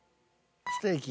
ステーキ。